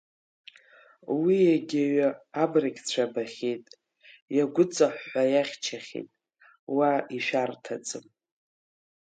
Уа иагьаҩы абрагьцәа абахьеит, иагәыҵаҳәҳәа иахьчахьеит, уа ишәарҭаӡам.